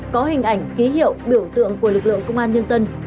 có hình ảnh ký hiệu biểu tượng của lực lượng công an nhân dân